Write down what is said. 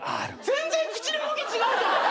全然口の動き違うじゃん！